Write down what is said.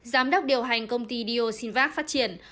giám đốc điều hành công ty d o sinvac phát triển